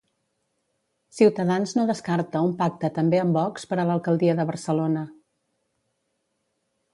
Cs no descarta un pacte també amb Vox per a l'alcaldia de Barcelona.